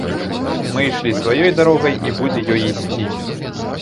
Мы ішлі сваёй дарогай, і будзе ёй ісці.